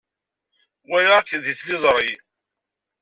Walaɣ-k deg tliẓri.